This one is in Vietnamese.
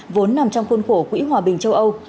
vốn nằm trong khuôn khổ quỹ hòa bình châu âu